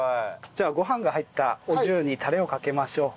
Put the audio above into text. じゃあご飯が入ったお重にタレをかけましょう。